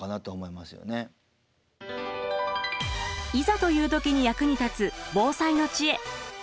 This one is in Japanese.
いざという時に役に立つ防災の知恵。